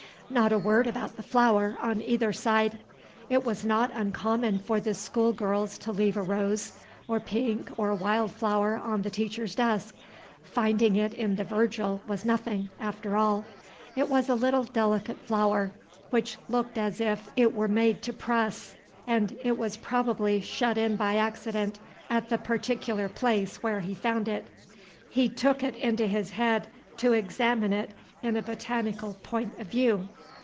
Not a word about the flower on either side. It was not uncommon for the schoolgirls to leave a rose or pink or wild flower on the teacher's desk. Finding it in the Virgil was nothing, after all; it was a little delicate flower, which looked as if it were made to press, and it was probably shut in by accident at the particular place where he found it. He took it into his head to examine it in a botanical point of view.